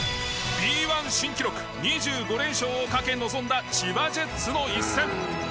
Ｂ１新記録２５連勝をかけ臨んだ千葉ジェッツの一戦。